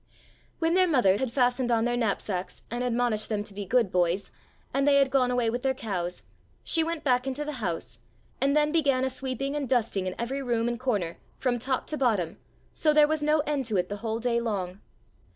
When their mother had fastened on their knapsacks and admonished them to be good boys, and they had gone away with their cows, she went back into the house, and then began a sweeping and dusting in every room and corner, from top to bottom, so there was no end to it the whole day long.